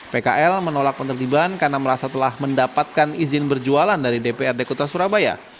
pkl menolak penertiban karena merasa telah mendapatkan izin berjualan dari dprd kota surabaya